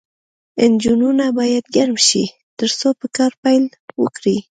انجنونه باید ګرم شي ترڅو په کار پیل وکړي